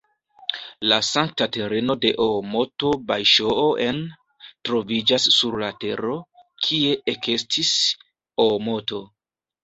La sankta tereno de Oomoto "Bajŝoo-en" troviĝas sur la tero, kie ekestis Oomoto.